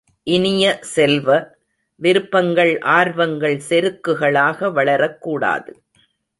இனிய செல்வ, விருப்பங்கள் ஆர்வங்கள் செருக்குகளாக வளரக் கூடாது.